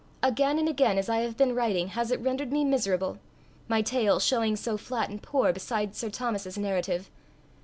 Again and again, as I have been writing, has it rendered me miserable my tale showing so flat and poor beside Sir Thomas's narrative.